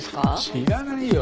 知らないよ。